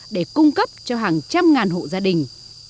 để cung cấp cho hàng trăm ngàn hộ gia đình